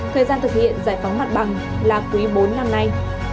thời gian thực hiện giải phóng mặt bằng là quý bốn năm nay